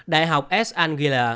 đại học s angela